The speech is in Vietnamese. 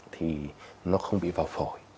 thì nó không bị vào phổi